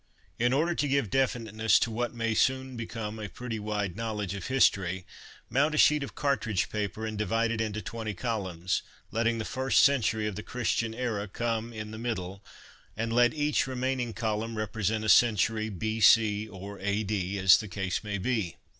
In order to give definiteness to what may soon become a pretty wide knowledge of history mount a sheet of cartridge paper and divide it into twenty columns, letting the first century of the Christian era come in the middle, and let each remaining column represent a century B.C. or A.D., as the case may be.